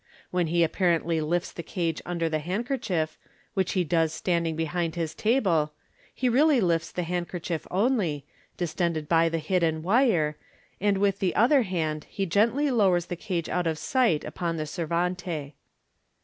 When he apparently lifts the cage under the handkerchief, which he does standing behind his table, he really lifts the hand kerchief only, distended by the hidden wire, and with the other hand he gently lowers the cage out of sight upon the servante.